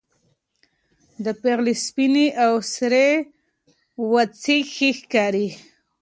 د پېغلې سپينې او سرې وڅې ښې ښکاري